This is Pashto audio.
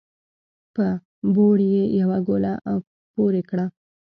په بوړ يې يوه ګوله پورې کړه